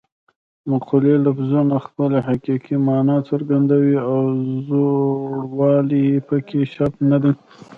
د مقولې لفظونه خپله حقیقي مانا څرګندوي او زوړوالی پکې شرط نه دی